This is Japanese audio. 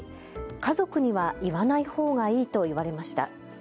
家族には言わないほうがいいと言われました。